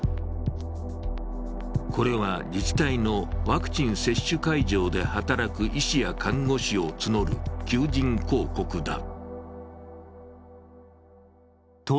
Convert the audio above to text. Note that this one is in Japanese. これは自治体のワクチン接種会場で働く医師や看護師を募る求人広告だ。